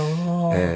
ええ。